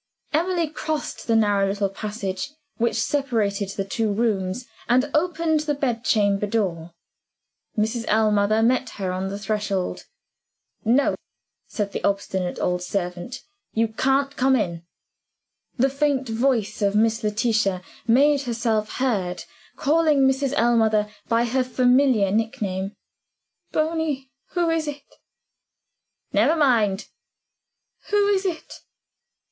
Emily crossed the narrow little passage which separated the two rooms, and opened the bed chamber door. Mrs. Ellmother met her on the threshold. "No," said the obstinate old servant, "you can't come in." The faint voice of Miss Letitia made itself heard, calling Mrs. Ellmother by her familiar nick name. "Bony, who is it?" "Never mind." "Who is it?"